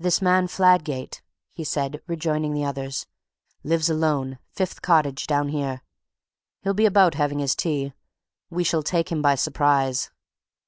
"This man Fladgate," he said, rejoining the others, "lives alone fifth cottage down here. He'll be about having his tea; we shall take him by surprise."